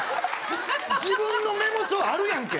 自分のメモ帳あるやんけ！